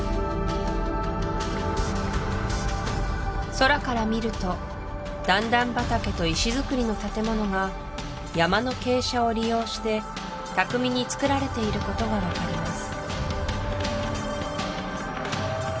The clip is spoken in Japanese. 空から見ると段々畑と石造りの建物が山の傾斜を利用して巧みにつくられていることが分かります